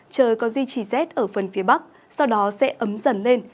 trời có duy trì rét ở phần phía bắc sau đó sẽ ấm dần lên